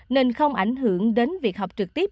nên không ảnh hưởng đến việc học trực tiếp